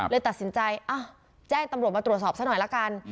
เลยตัดสินใจแจ้งตำรวจมาตรวจสอบซะหน่อยละกัน